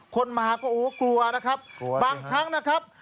คนมาก็โอ้กลัวนะครับบางครั้งนะครับ